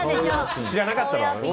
知らなかっただろ！